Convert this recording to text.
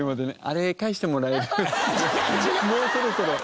もうそろそろ。